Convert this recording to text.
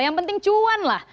yang penting cuan lah